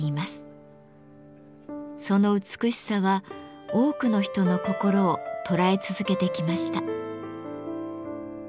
その美しさは多くの人の心を捉え続けてきました。